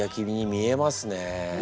見えますか？